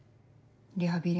リハビリ